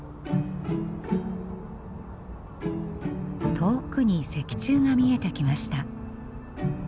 遠くに石柱が見えてきました。